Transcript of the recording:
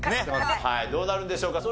はいどうなるんでしょうか？